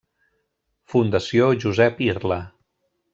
Fundació Josep Irla.